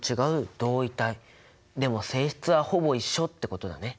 でも性質はほぼ一緒ってことだね。